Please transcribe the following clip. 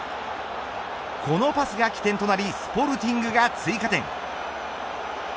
このパスが起点となりスポルティングが追加点。